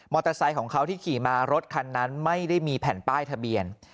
ไซค์ของเขาที่ขี่มารถคันนั้นไม่ได้มีแผ่นป้ายทะเบียน